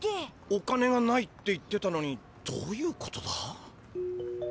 お金がないって言ってたのにどういうことだ？